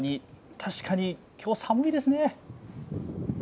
確かにきょうは寒いですね。